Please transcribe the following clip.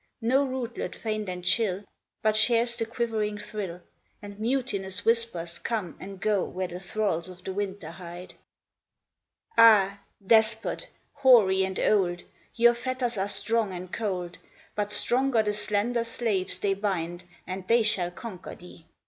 No rootlet faint and chill But shares the quivering thrill ; And mutinous whispers come and go where the thralls of the winter hide. Ah, despot, hoary and old ! Your fetters are strong and cold, But stronger the slender slaves they bind, and they shall conquer thee.